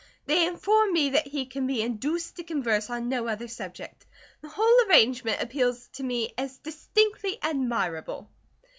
They inform me that he can be induced to converse on no other subject. The whole arrangement appeals to me as distinctly admirable."